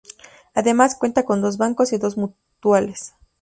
Además cuenta con dos bancos y dos mutuales.